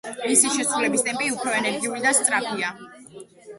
მისი შესრულების ტემპი უფრო ენერგიული და სწრაფია.